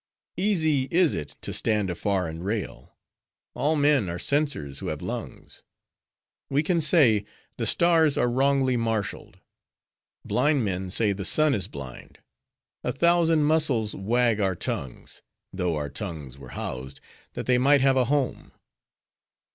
Easy is it to stand afar and rail. All men are censors who have lungs. We can say, the stars are wrongly marshaled. Blind men say the sun is blind. A thousand muscles wag our tongues; though our tongues were housed, that they might have a home.